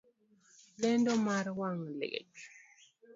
Lendo mar wang' liech